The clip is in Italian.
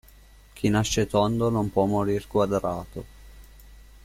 Chi nasce tondo non può morir quadrato.